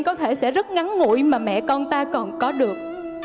có thể sẽ rất ngắn ngủi mà mẹ con ta còn có được